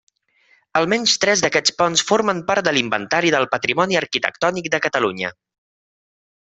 Almenys tres d'aquests ponts formen part de l'Inventari del Patrimoni Arquitectònic de Catalunya.